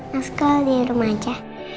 nak sekolah di rumah aja